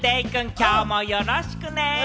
きょうもよろしくね！